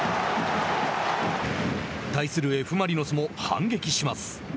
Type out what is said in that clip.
対するＦ・マリノスも反撃します。